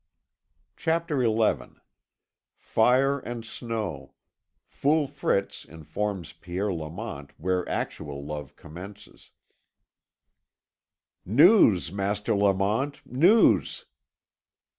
CHAPTER XI FIRE AND SNOW FOOL FRITZ INFORMS PIERRE LAMONT WHERE ACTUAL LOVE COMMENCES "News, Master Lamont, news!"